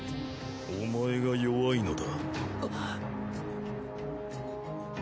お前が弱いのだ。